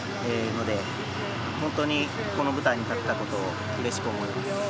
本当に、この舞台に立てたことをうれしく思います。